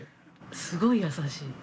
すごい優しい。